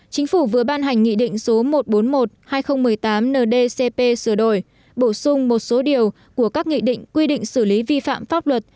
chính phủ vừa ban hành nghị định số một trăm bốn mươi một hai nghìn một mươi tám ndcp sửa đổi bổ sung một số điều của các nghị định quy định xử lý vi phạm pháp luật